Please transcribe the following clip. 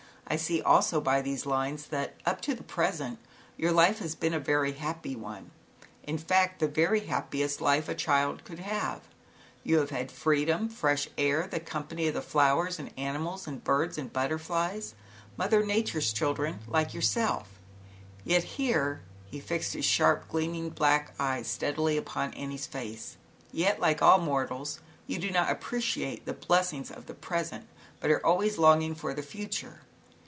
I see also by these lines, that up to the present, your life has been a very happy one, in fact, the very happiest life a child could have. You have had freedom, fresh air, the company of the flowers, and the animals and birds and butter n ZAUBERLINDA, THE WISE WITCH. 97 flies, Mother Nature's children, like your self." "Yet," here he fixed his sharp, gleaming, black eyes steadily upon An nie's face, " Yet, like all mortals, you do not appreciate the blessings of the pres ent, but are always longing for the fut ure."